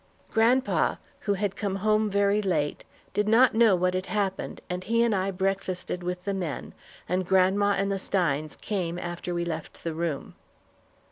Grandpa, who had come home very late, did not know what had happened, and he and I breakfasted with the men, and grandma and the Steins came after we left the room.